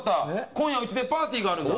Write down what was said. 今夜家でパーティーがあるんだ。